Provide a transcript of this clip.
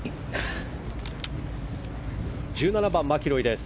１７番、マキロイです。